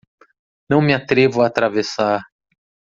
Não me atrevo a atravessar